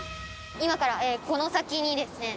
今からこの先にですね